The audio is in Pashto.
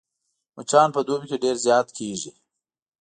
مچان په دوبي کې ډېر زيات کېږي